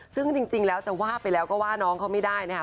ซึ่งจริงแล้วจะว่าไปแล้วก็ว่าน้องเขาไม่ได้นะคะ